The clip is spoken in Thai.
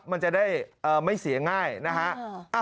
มันจะได้ไม่เสียง่ายนะฮะ